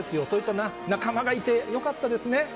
そういった仲間がいてよかったですね。